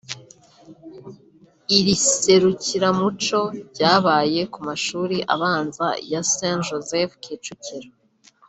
Iri serukiramuco ryabaye ku mashuri abanza ya St Joseph(Kicukiro)